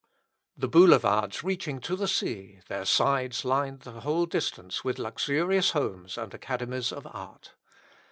The boulevards reaching to the sea, their sides lined the whole distance with luxurious homes and academies of art.